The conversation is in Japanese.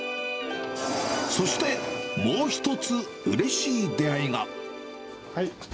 そしてもう一つ、うれしい出会いが。